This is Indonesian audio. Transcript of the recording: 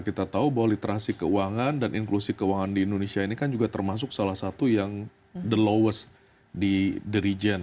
kita tahu bahwa literasi keuangan dan inklusi keuangan di indonesia ini kan juga termasuk salah satu yang the lowest di the region